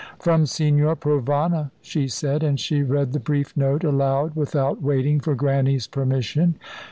"From Signor Provana," she said, and she read the brief note aloud, without waiting for Grannie's permission.